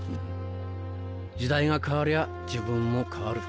時代が変わりゃ自分も変わる。